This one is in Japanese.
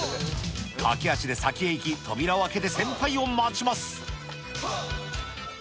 駆け足で先へ行き、扉を開けて先輩を待ちます。